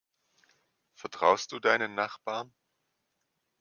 Vertraust du deinen Nachbarn?